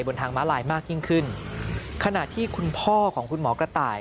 ทางม้าลายมากยิ่งขึ้นขณะที่คุณพ่อของคุณหมอกระต่าย